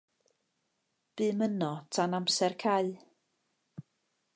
Bûm yno tan amser cau.